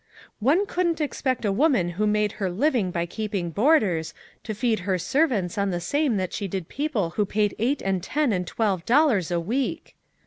" One couldn't expect a woman who made her living by keeping boarders, to feed her servants on the same that she did people who paid eight and ten and twelve dollars a week."